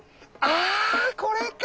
あこれか。